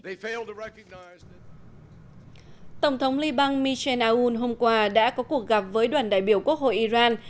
tổng thống liên bang michel aoun hôm qua đã có cuộc gặp với đoàn đại biểu quốc hội iran